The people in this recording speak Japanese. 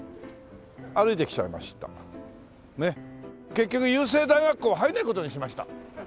結局郵政大学校は入らない事にしました。